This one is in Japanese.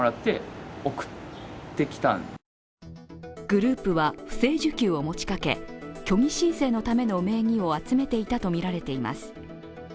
グループは不正受給を持ちかけ虚偽申請のための名義を集めていたとみられています。